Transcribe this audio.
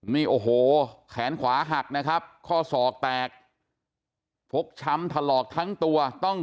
นี่โอ้โหแขนขวาหักนะครับข้อศอกแตกฟกช้ำถลอกทั้งตัวต้อง